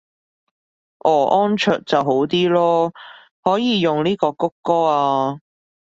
哦安卓就好啲囉，可以用呢個穀歌啊